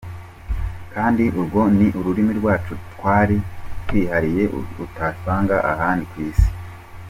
Kandi urwo ni ururimi rwacu twari twihariye utasanga ahandi ku isi.